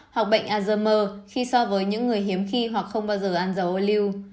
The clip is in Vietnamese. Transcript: hoặc bệnh alzhomer khi so với những người hiếm khi hoặc không bao giờ ăn dầu ô lưu